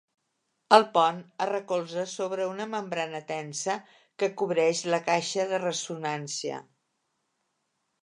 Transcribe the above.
El pont es recolze sobre una membrana tensa que cobreix la caixa de ressonància.